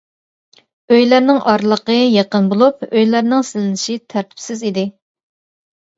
ئۆيلەرنىڭ ئارىلىقى يېقىن بولۇپ، ئۆيلەرنىڭ سېلىنىشى تەرتىپسىز ئىدى.